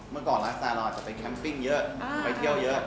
เมื่อก่อนไลฟ์สไตล์เราอาจจะเป็นแคมปิ้งเยอะไปเที่ยวเยอะ